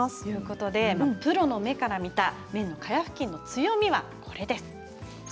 プロの目から見た綿の蚊帳ふきんの強みはこれです。